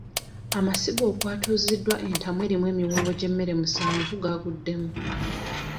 Amasiga okwatuziddwa entamu erimu emiwumbo gy'emmere omusanvu gaguddemu.